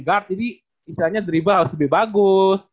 guard jadi misalnya dribble harus lebih bagus